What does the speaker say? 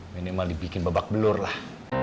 minimal dibikin babak belur lah